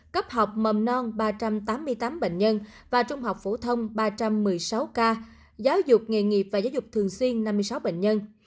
cấp học mầm non ba trăm tám mươi tám bệnh nhân và trung học phổ thông ba trăm một mươi sáu ca giáo dục nghề nghiệp và giáo dục thường xuyên năm mươi sáu bệnh nhân